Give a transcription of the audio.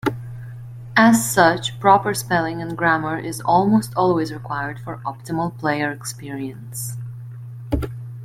As such, proper spelling and grammar is almost always required for optimal player experience.